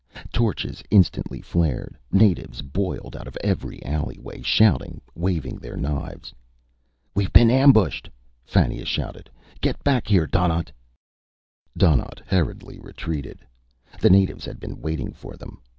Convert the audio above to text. Torches instantly flared, natives boiled out of every alleyway, shouting, waving their knives. "We've been ambushed!" Fannia shouted. "Get back here, Donnaught!" Donnaught hurriedly retreated. The natives had been waiting for them.